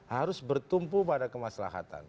harus bertumpu pada kemaslahatan